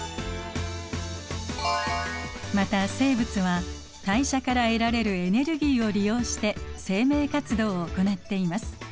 また生物は代謝から得られるエネルギーを利用して生命活動を行っています。